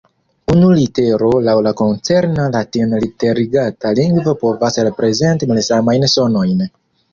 Unu litero laŭ la koncerna latinliterigata lingvo povas reprezenti malsamajn sonojn.